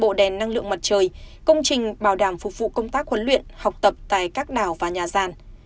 bộ đèn năng lượng mặt trời công trình bảo đảm phục vụ công tác huấn luyện học tập tại các đảo và nhà gian